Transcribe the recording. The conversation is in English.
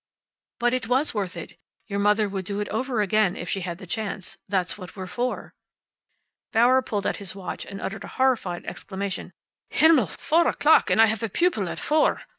"But it was worth it. Your mother would do it all over again, if she had the chance. That's what we're for." Bauer pulled out his watch and uttered a horrified exclamation. "Himmel! Four o'clock! And I have a pupil at four."